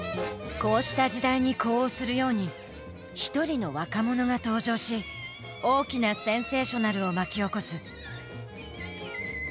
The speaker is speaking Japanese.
こうした時代に呼応するように一人の若者が登場し大きなセンセーショナルを巻き起こす。